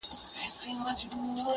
لکه د اوسپنې به زنګ وکړم؟